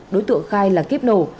đối tượng khai là kiếp nổ